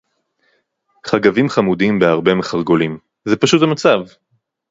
חגבים חמודים בהרבה מחרגולים. זה פשוט המצב.